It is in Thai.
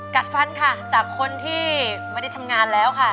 กัดฟันค่ะจากคนที่ไม่ได้ทำงานแล้วค่ะ